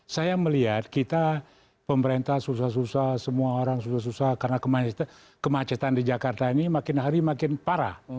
saya melihat kita pemerintah susah susah semua orang susah susah karena kemacetan di jakarta ini makin hari makin parah